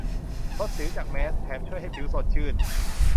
ลดสิวจากแมสก์ แถมช่วยให้ผิวสดชื่น